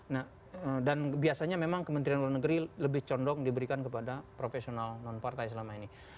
nah dan biasanya memang kementerian luar negeri lebih condong diberikan kepada profesional non partai selama ini